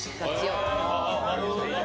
なるほどね。